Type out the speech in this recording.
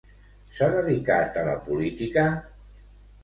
S'ha dedicat a la política?